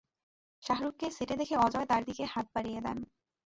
শাহরুখকে সেটে দেখে অজয় তার দিকে হাত বাড়িয়ে দেন।